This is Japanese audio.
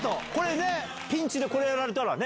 ピンチでこれやられたらね。